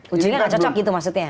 kucingnya nggak cocok gitu maksudnya